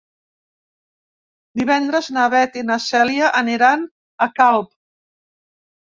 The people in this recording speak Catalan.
Divendres na Beth i na Cèlia aniran a Calp.